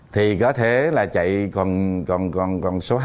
thì có thể là chạy còn số hai